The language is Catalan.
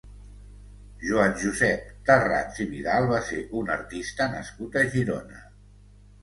Joan-Josep Tharrats i Vidal va ser un artista nascut a Girona.